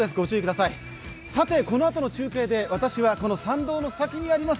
さて、このあとの中継で私はこの山道の先にあります